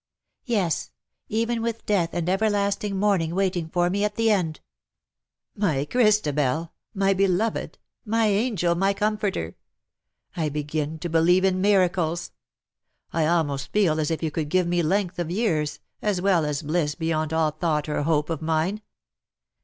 Yes_, even with death and ever lasting mourning waiting for me at the end.'''' " My Christabel, my beloved ! my angel, my com forter ! I begin to believe in miracles. I almost feel as if you could give me length of years, as well as bliss beyond all thought or hope of mine.